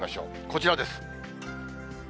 こちらです。